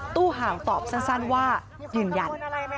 ห่างตอบสั้นว่ายืนยัน